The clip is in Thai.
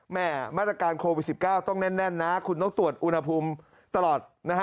แหม่มาตรการโควิด๑๙ต้องแน่นนะคุณต้องตรวจอุณห้องปรุมตลอด